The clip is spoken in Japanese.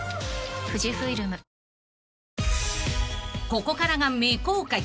［ここからが未公開］